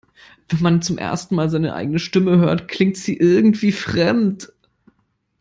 Wenn man zum ersten Mal seine eigene Stimme hört, klingt sie irgendwie fremd.